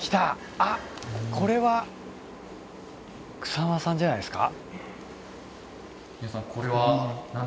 あっこれは草間さんじゃないですか？